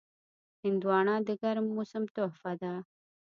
هندوانه د ګرم موسم تحفه ده.